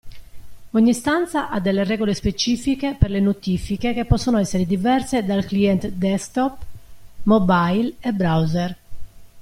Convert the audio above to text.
Ogni stanza ha delle regole specifiche per le notifiche che possono essere diverse dal client desktop/mobile e browser.